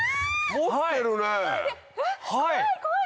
持ってるね！